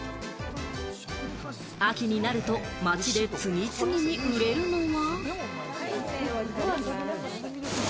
秋になると町で次々に売れるのは。